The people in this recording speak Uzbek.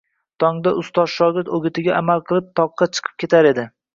tongda shogord ustozi o‘gitiga amal qilib toqqa chiqib ketar edi